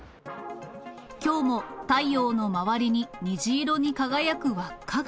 きょうも太陽の周りに虹色に輝く輪っかが。